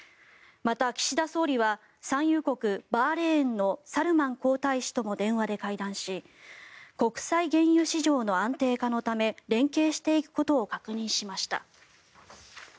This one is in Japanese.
また、岸田総理は産油国バーレーンのサルマン皇太子とも電話で会談し国際原油市場の安定化のため連携していくことを確認しました。